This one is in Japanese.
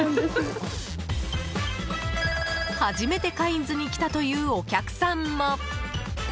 初めてカインズに来たというお客さんも。